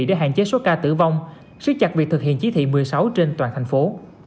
để hạn chế số ca tử vong siết chặt việc thực hiện chỉ thị một mươi sáu trên toàn thành phố